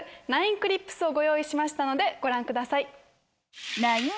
ＣＬＩＰＳをご用意しましたのでご覧ください。